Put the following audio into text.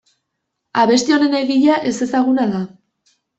Abesti honen egilea ezezaguna da.